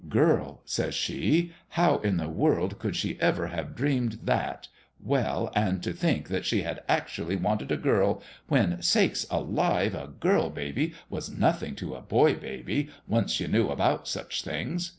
Girl ! (says she) ; how in the world could she ever have dreamed that well and to think that she had actually wanted a girl when sakes alive 1 a girl baby was nothing to a boy baby, once you knew about such things.